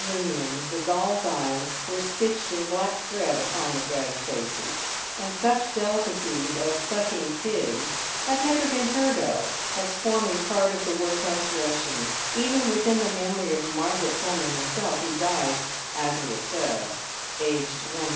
Union the dolls' eyes were stitched in black thread upon the rag faces ; and such delicacies as sucking pigs had never been heard of as forming part of the work house rations — even within the memory of Margaret Fleming herself, who died, as we have said, aged 103.